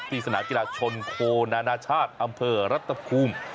สนามกีฬาชนโคนานาชาติอำเภอรัฐภูมิ